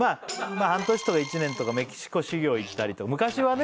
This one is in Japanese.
半年とか１年とかメキシコ修業行ったりと昔はね。